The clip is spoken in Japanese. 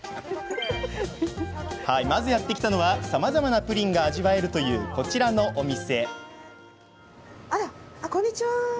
まず、やって来たのはさまざまなプリンが味わえるという、こちらのお店。